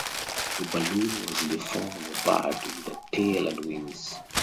The balloon was in the form of a bird with a tail and wings.